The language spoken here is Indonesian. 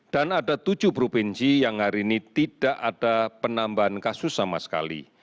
dan ada tujuh provinsi yang hari ini tidak ada penambahan kasus sama sekali